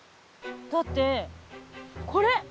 だってこれ。